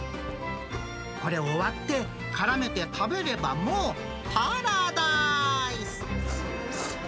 これを割って、絡めて食べればもうパラダイス。